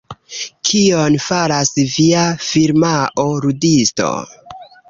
Kion faras via firmao, Ludisto?